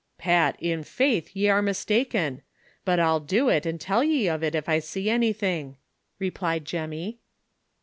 "Pat, in faith, ye are mistaken ; but I'll do it, an' tell ye of it, if I see anything," replied Jemmy.